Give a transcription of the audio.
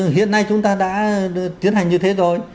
hiện nay chúng ta đã tiến hành như thế rồi